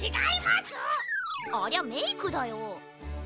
ありゃメイクだよ。